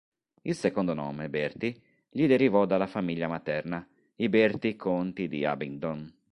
Il secondo nome, Bertie, gli derivò dalla famiglia materna, i Bertie conti di Abingdon.